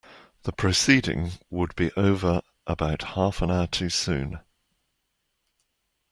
The proceeding would be over about half an hour too soon.